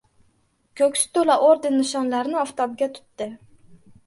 Ko‘ksi to‘la orden-nishonlarni oftobga tutdi.